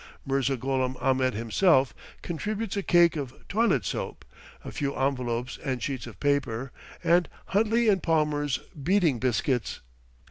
Mirza Gholam Ahmed himself contributes a cake of toilet soap, a few envelopes and sheets of paper, and Huntley & Palmer's Beading biscuits.